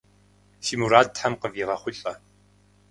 Фи мурад тхьэм къывигъэхъулӏэ!